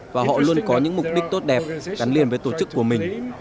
và họ luôn có những mục đích tốt đẹp gắn liền với tổ chức của mình